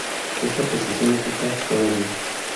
Esta posición ocupa todavía.